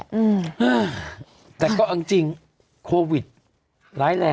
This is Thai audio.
จากที่ตอนแรกอยู่ที่๑๐กว่าศพแล้ว